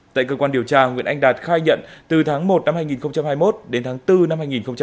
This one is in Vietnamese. tại cơ quan điều tra nguyễn anh đạt khai nhận từ tháng một năm hai nghìn hai mươi một đến tháng bốn năm hai nghìn hai mươi ba